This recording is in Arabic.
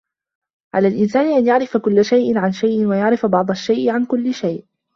على الإنسان أن يعرف كل شيء عن شيء، ويعرف بعض الشيء عن كل شي.